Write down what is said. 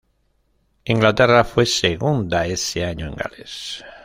Inglaterra fue segunda ese año en Gales.